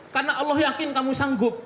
karena allah yakin kamu sanggup